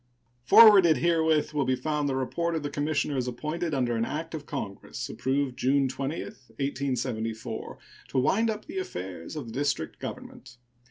Forwarded herewith will be found the report of the commissioners appointed under an act of Congress approved June 20, 1874, to wind up the affairs of the District government.